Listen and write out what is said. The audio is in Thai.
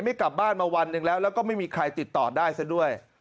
ไม่กลับบ้านมาวันหนึ่งแล้วแล้วก็ไม่มีใครติดต่อได้ซะด้วย